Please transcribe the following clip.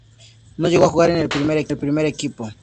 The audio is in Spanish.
No llegó a jugar en el primer equipo.